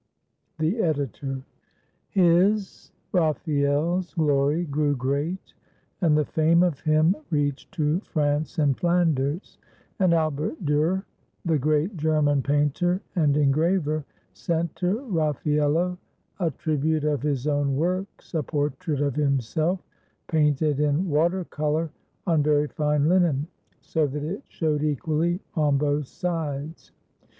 '" The Editor.] His [Raphael's] glory grew great, and the fame of him reached to France and Flanders, and Albert Diirer, the great German painter and engraver, sent to Raffaello a tribute of his own works, a portrait of himseK painted in water color on very fine linen, so that it showed equally on both sides.